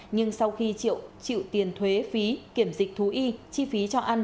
nhưng sau khi chịu tiền thuế phí kiểm dịch thú y chi phí cho ăn